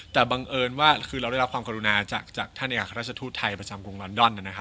แต่บังเอิญว่าคือเราได้รับความกรุณาจากท่านเอกราชทูตไทยประจำกรุงลอนดอน